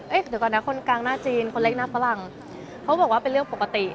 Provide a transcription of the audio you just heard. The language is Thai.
เดี๋ยวก่อนนะคนกลางหน้าจีนคนเล็กหน้าฝรั่งเขาบอกว่าเป็นเรื่องปกติ